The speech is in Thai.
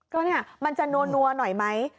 ก็เนี่ยมันจะนัวหน่อยไหม